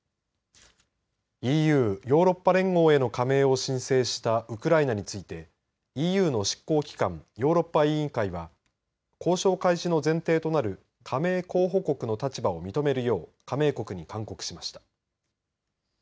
ＥＵ、ヨーロッパ連合への加盟を申請したウクライナについてＥＵの執行機関ヨーロッパ委員会は交渉開始の前提となる加盟候補国の立場を認めるよう加盟国に勧告しました。